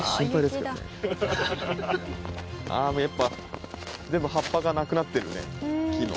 もうやっぱ全部葉っぱがなくなってるね木の。